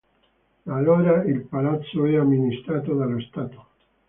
Da allora il palazzo è amministrato dallo Stato.